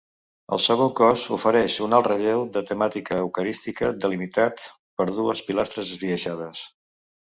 El segon cos ofereix un alt relleu de temàtica eucarística delimitat per dues pilastres esbiaixades.